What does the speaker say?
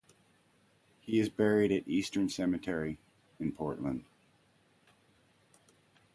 He is buried at Eastern Cemetery in Portland.